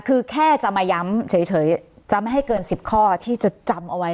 คือแค่จะมาย้ำเฉยจะไม่ให้เกิน๑๐ข้อที่จะจำเอาไว้